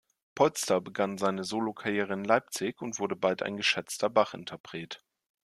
Polster begann seine Solokarriere in Leipzig und wurde bald ein geschätzter Bach-Interpret.